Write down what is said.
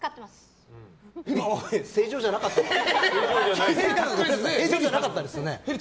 今も正常じゃなかったですね。